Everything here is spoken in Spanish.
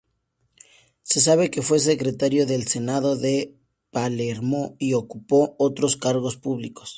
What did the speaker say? Se sabe que fue secretario del Senado de Palermo y ocupó otros cargos públicos.